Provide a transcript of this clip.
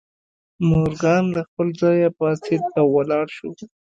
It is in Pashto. مورګان له خپل ځایه پاڅېد او ولاړ شو